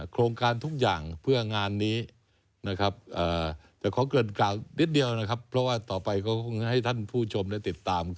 โครงการทุกอย่างเพื่องานนี้